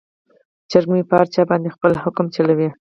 چرګه مې په هر چا باندې خپل حکم چلوي.